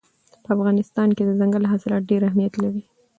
په افغانستان کې دځنګل حاصلات ډېر اهمیت لري.